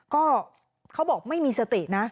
ก็เขาบอกไม่มีสตินะ